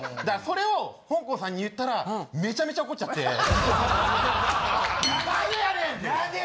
それをほんこんさんに言ったらめちゃめちゃ怒っちゃって。